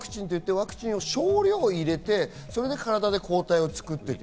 ワクチンを少量入れて体で抗体を作っていく。